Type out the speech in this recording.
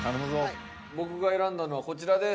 僕が選んだのはこちらです。